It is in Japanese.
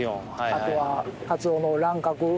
あとは◆